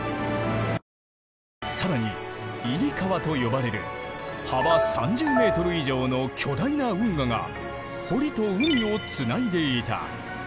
更に入川と呼ばれる幅３０ｍ以上の巨大な運河が堀と海をつないでいた。